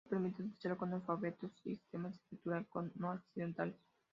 Eso permite utilizarlo con alfabetos y sistemas de escritura no occidentales.